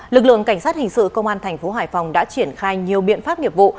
lực lượng cảnh sát hình sự công an thành phố hải phòng đã triển khai nhiều biện pháp nghiệp vụ